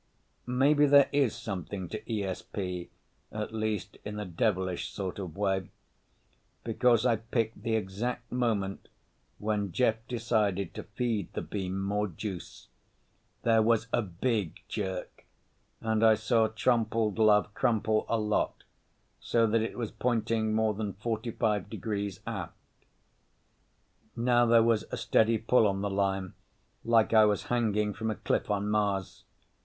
Maybe there is something to ESP—at least in a devilish sort of way—because I picked the exact moment when Jeff decided to feed the beam more juice. There was a big jerk and I saw Trompled Love crumple a lot, so that it was pointing more than forty five degrees aft. Now there was a steady pull on the line like I was hanging from a cliff on Mars.